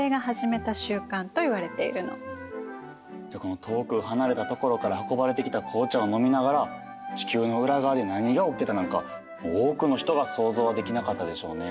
じゃあこの遠く離れたところから運ばれてきた紅茶を飲みながら地球の裏側で何が起きてたなんか多くの人が想像はできなかったでしょうね。